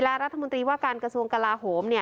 และรัฐมนตรีว่าการกระทรวงกลาโหม